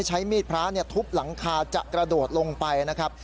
ใช้มีดพระทุบหลังคาจะกระโดดลงไปนะครับ